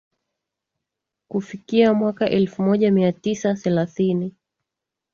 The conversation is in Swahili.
Kufikia mwaka elfu moja mia tisa thelathini